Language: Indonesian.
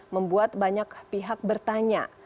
membuat banyak pihak bertanya